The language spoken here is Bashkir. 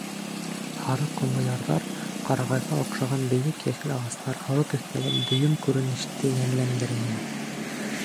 Һары ҡомло ярҙар, ҡарағайға оҡшаған бейек йәшел ағастар һоро төҫтәге дөйөм күренеште йәнләндерә ине.